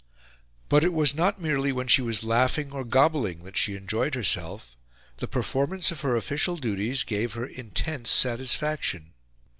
But it was not merely when she was laughing or gobbling that she enjoyed herself; the performance of her official duties gave her intense satisfaction.